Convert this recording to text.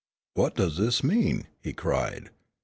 "What does this mean," he cried.